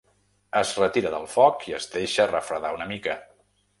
Es retira del foc i es deixa refredar una mica.